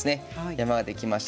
山ができました。